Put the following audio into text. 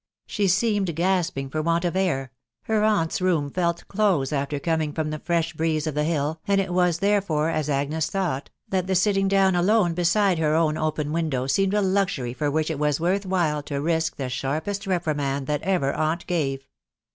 She seemed gasping for want of air .... her aunt's room felt close after coming from the fresh breeze of the hill, and it was, therefore, as Agnes thought, that the sitting down alone beside her own open window seemed a luxury for which it was worth while to risk the sharpest reprimand that ever aunt gave